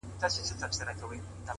د جهنم منځ کي د اوسپني زنځیر ویده دی;